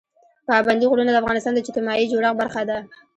پابندی غرونه د افغانستان د اجتماعي جوړښت برخه ده.